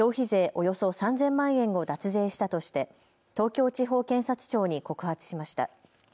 およそ３０００万円を脱税したとして東京地方検察庁に告発しました。